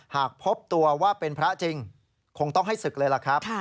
หากพบตัวว่าเป็นพระจริงคงต้องให้ศึกเลยล่ะครับ